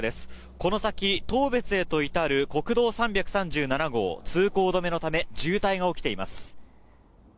この先、当別へと至る国道３３７号通行止めのため渋滞が起きています。